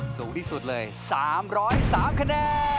สูงที่สุดเลย๓๐๓คะแนน